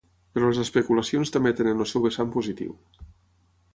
Però les especulacions també tenen el seu vessant positiu.